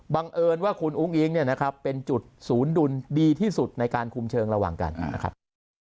เอิญว่าคุณอุ้งอิ๊งเนี่ยนะครับเป็นจุดศูนย์ดุลดีที่สุดในการคุมเชิงระหว่างกันนะครับ